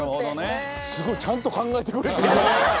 すごい！ちゃんと考えてくれてる。